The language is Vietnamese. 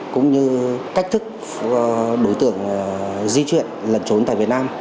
cũng như cách thức đối tượng di chuyển lẩn trốn tại việt nam